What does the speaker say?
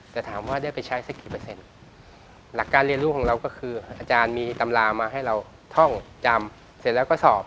แต่ถามว่าได้ไปใช้สักกี่เปอร์เซ็นต์หลักการเรียนรู้ของเราก็คืออาจารย์มีตำรามาให้เราท่องจำเสร็จแล้วก็สอบ